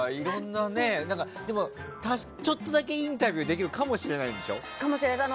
ちょっとだけインタビューができるかもしれないんでしょ。